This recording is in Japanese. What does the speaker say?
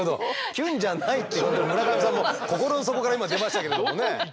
キュンじゃないって村上さんも心の底から今出ましたけどもね。